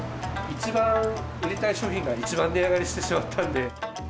一番売りたい商品が一番値上がりしてしまったんで。